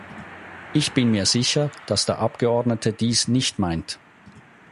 Ich bin mir sicher, dass der Abgeordnete dies nicht meint.